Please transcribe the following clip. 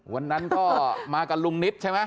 วันนั้นก็มากับลุงนิดใช่ไหม